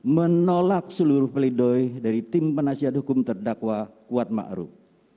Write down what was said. satu menolak seluruh peledoi dari tim penasihat hukum terdakwa kuat ma'ruh